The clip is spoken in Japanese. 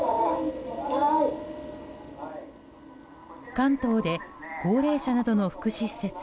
関東で高齢者などの福祉施設